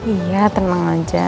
iya tenang aja